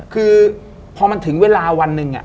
คือพอมันถึงเวลาวันหนึ่ง